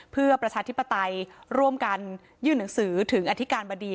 เพื่อประชาธิปไตยร่วมกันยื่นหนังสือถึงอธิการบดี